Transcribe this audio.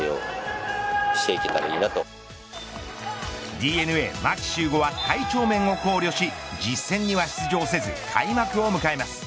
ＤｅＮＡ牧秀悟は体調面を考慮し実戦には出場せず開幕を迎えます。